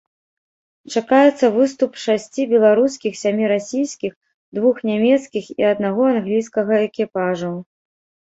Чакаецца выступ шасці беларускіх, сямі расійскіх, двух нямецкіх і аднаго англійскага экіпажаў.